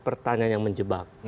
pertanyaan yang menjebak